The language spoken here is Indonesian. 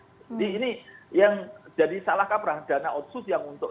jadi ini yang jadi salahkah perang dana otsus yang untuk